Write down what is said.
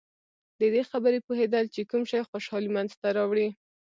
د دې خبرې پوهېدل چې کوم شی خوشحالي منځته راوړي.